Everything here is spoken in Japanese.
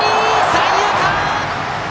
三遊間！